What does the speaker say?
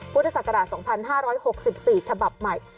พศก๒๕๖๔ฉบับใหม่